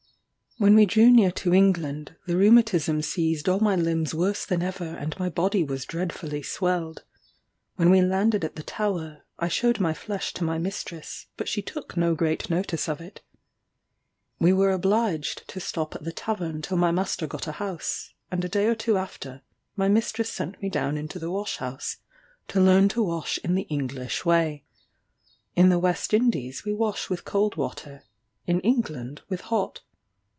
When we drew near to England, the rheumatism seized all my limbs worse than ever, and my body was dreadfully swelled. When we landed at the Tower, I shewed my flesh to my mistress, but she took no great notice of it. We were obliged to stop at the tavern till my master got a house; and a day or two after, my mistress sent me down into the wash house to learn to wash in the English way. In the West Indies we wash with cold water in England with hot.